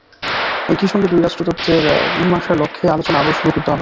একই সঙ্গে দুই রাষ্ট্র তত্ত্বের মীমাংসার লক্ষ্যে আলোচনা আবারও শুরু করতে হবে।